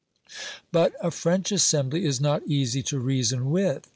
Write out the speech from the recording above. But a French Assembly is not easy to reason with.